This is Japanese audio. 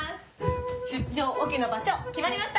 出張オケの場所決まりました！